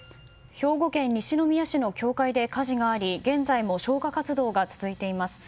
兵庫県西宮市の教会で火事があり現在も消火活動が続いています。